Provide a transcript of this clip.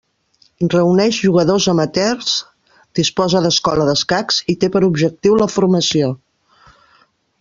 Reuneix jugadors amateurs, disposa d'escola d'escacs i té per objectiu la formació.